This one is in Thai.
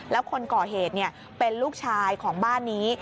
แล้วคนก่อเหตุเป็นลูกชายของบ้านนี้